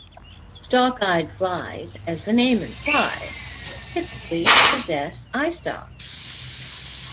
Stalk-eyed flies, as the name implies, typically possess eyestalks.